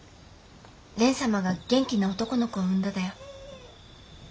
蓮様が元気な男の子を産んだだよ。